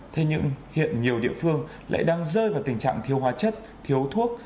thế nhưng hiện nhiều địa phương lại đang rơi vào tình trạng thiếu hóa chất thiếu thuốc